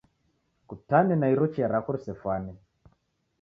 Kutane na iro chia rako risefwane.